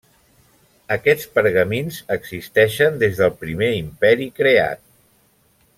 Aquests pergamins existeixen des del primer Imperi creat.